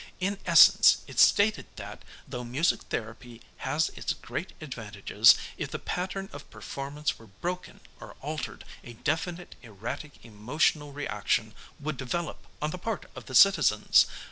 In essence, it stated that, though music therapy has its great advantages, if the pattern of performance were broken or altered, a definite erratic emotional reaction would develop on the part of the citizens!